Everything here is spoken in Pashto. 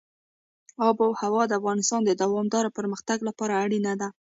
آب وهوا د افغانستان د دوامداره پرمختګ لپاره اړینه ده.